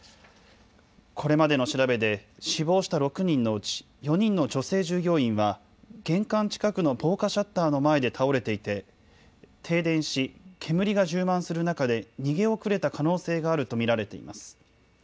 これまでの調べで、死亡した６人のうち、４人の女性従業員は、玄関近くの防火シャッターの前で倒れていて、停電し、煙が充満する中で、逃げ遅れた可能性があると見られています。